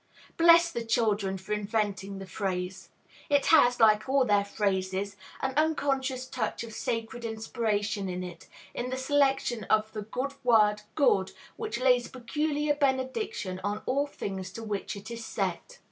Bless the children for inventing the phrase! It has, like all their phrases, an unconscious touch of sacred inspiration in it, in the selection of the good word "good," which lays peculiar benediction on all things to which it is set.